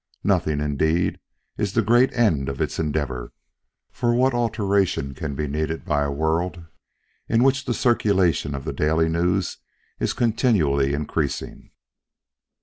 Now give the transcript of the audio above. Nothing, indeed, is the great end of its endeavor; for what alteration can be needed by a world in which the circulation of the Daily News is continually increasing?